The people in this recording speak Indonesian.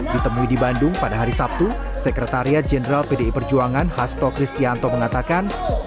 ditemui di bandung pada hari sabtu sekretariat jenderal pdi perjuangan hasto kristianto mengatakan